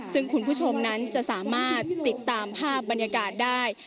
ซึ่งคุณผู้ชมนั้นจะสามารถติดตามภาพบรรยากาศได้